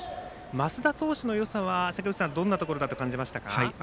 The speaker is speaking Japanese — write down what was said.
升田投手のよさはどんなところだと感じましたか。